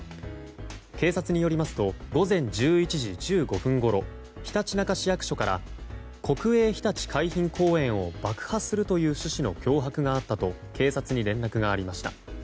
警察によりますと午前１１時１５分ごろひたちなか市役所から国営ひたち海浜公園を爆破するという趣旨の脅迫があったと警察に連絡がありました。